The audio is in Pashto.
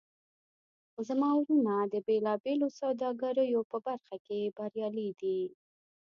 زما وروڼه د بیلابیلو سوداګریو په برخه کې بریالي دي